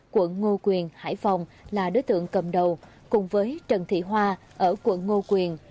quận ngô quyền hải phòng là đối tượng cầm đầu cùng với trần thị hoa ở quận ngô quyền